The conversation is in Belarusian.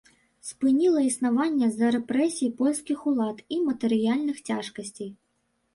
Спыніла існаванне з-за рэпрэсій польскіх улад і матэрыяльных цяжкасцей.